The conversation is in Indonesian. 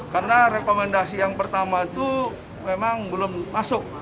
karena rekomendasi yang pertama itu memang belum masuk